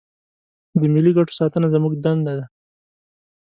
د ملي ګټو ساتنه زموږ دنده ده.